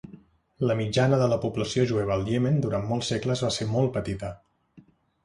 La mitjana de la població jueva al Iemen durant molts segles va ser molt petita.